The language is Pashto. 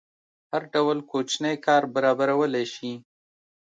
هر ډول کوچنی کار برابرولی شي.